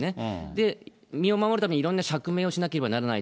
で、身を守るために、いろんな釈明をしなければならない。